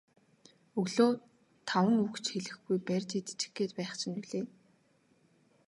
Өглөө таван үг ч хэлүүлэхгүй барьж идчих гээд байх чинь билээ.